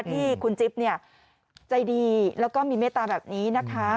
ที่คุณจิ๊บใจดีแล้วก็มีเมตตาแบบนี้นะคะ